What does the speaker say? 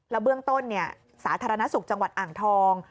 เบื้องต้นสาธารณสุขจังหวัดอ่างทอง